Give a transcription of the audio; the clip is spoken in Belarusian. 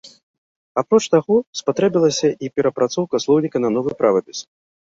Апроч таго, спатрэбілася і перапрацоўка слоўніка на новы правапіс.